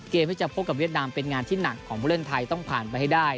เกมที่จะพบกับเวียดนามเป็นงานที่หนักของผู้เล่นไทยต้องผ่านไปให้ได้